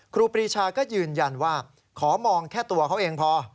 ครูปรีชาก็ยืนยันว่าขอมองแค่ตัวเขาเองพอ